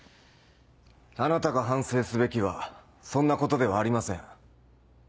あなたが反省すべきはそんなことではありません。